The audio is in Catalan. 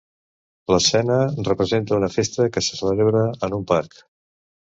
L'escena representa una festa que se celebra en un parc.